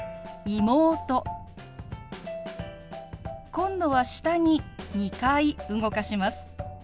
今度は下に２回動かします。